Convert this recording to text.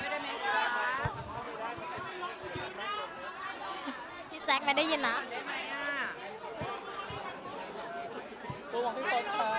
พี่แจ๊กไม่ได้ยินนะ